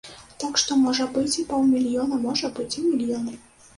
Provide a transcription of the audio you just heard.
Так што, можа быць і паўмільёна, можа быць, і мільён.